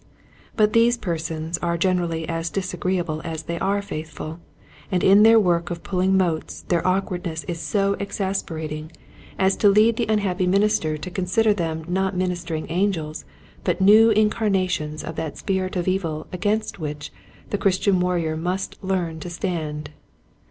But these persons are gen erally as disagreeable as they are faithful, and in their work of pulling motes their awkwardness is so exasperating as to 1 2 duiet Hints to Growinz Preachers. ^> lead the unhappy minister to consider them not ministering angels but new incarnations of that spirit of evil against which the Christian warrior must learn to stand.